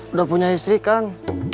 udah punya istri kang